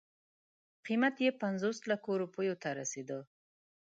قیمت یې پنځوس لکو روپیو ته رسېدله.